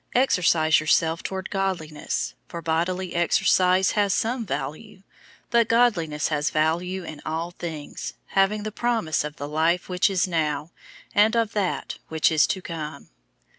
Exercise yourself toward godliness. 004:008 For bodily exercise has some value, but godliness has value in all things, having the promise of the life which is now, and of that which is to come.